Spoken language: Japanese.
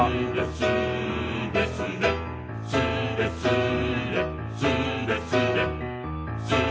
「スレスレスーレスレ」「スレスレ」